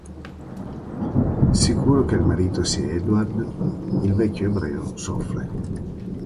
Sicuro che il marito sia Edward, il vecchio ebreo soffre.